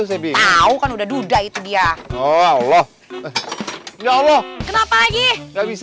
tau kan udah duda itu dia oh allah ya allah kenapa lagi nggak bisa